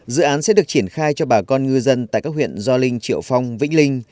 dự án sẽ được triển khai cho bà con ngư dân tại các huyện do linh triệu phong vĩnh linh